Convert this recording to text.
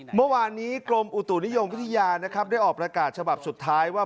เมื่อวานนี้กรมอุตุนิยมวิทยานะครับได้ออกประกาศฉบับสุดท้ายว่า